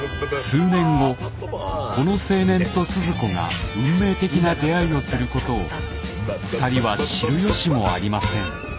数年後この青年とスズ子が運命的な出会いをすることを２人は知る由もありません。